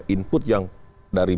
input yang dari